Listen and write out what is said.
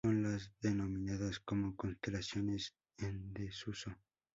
Son las denominadas como constelaciones en desuso.